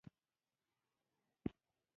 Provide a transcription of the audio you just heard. احمد لګيا دی؛ اوښ ته رباب وهي.